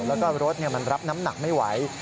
แล้วก็รถมันรับน้ำหนักไม่ไหว